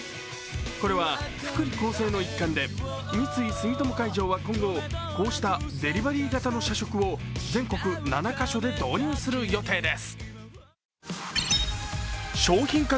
これは福利厚生の一環で三井住友海上は今後こうしたデリバリー型の社食を全国７か所で導入する予定です。